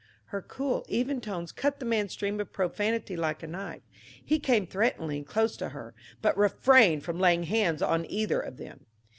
Her cool, even tones cut the man's stream of profanity like a knife. He came threateningly close to her, but refrained from laying hands on either of them.